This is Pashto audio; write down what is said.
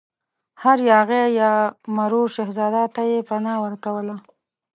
هر یاغي یا مرور شهزاده ته یې پناه ورکوله.